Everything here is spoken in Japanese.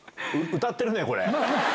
歌ってるね、これ。